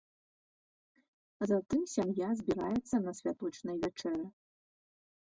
Затым сям'я збіраецца на святочнай вячэры.